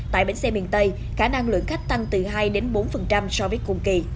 tại bến xe miền tây khả năng lượng khách tăng từ hai bốn so với cùng kỳ